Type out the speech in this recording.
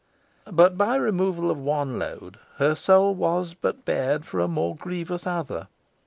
But by removal of one load her soul was but bared for a more grievous other.